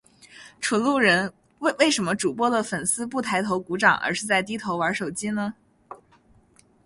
纯路人，为什么主播的粉丝不抬头鼓掌而是在低头玩手机呢？